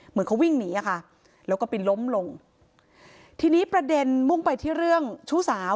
เหมือนเขาวิ่งหนีอะค่ะแล้วก็ไปล้มลงทีนี้ประเด็นมุ่งไปที่เรื่องชู้สาว